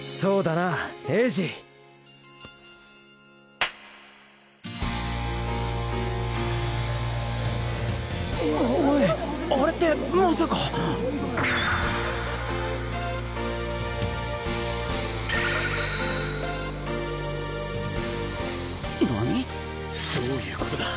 なに？どういうことだ？